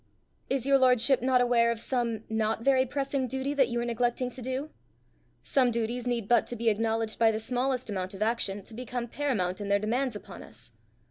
"Is your lordship not aware of some not very pressing duty that you are neglecting to do? Some duties need but to be acknowledged by the smallest amount of action, to become paramount in their demands upon us."